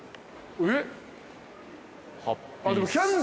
えっ？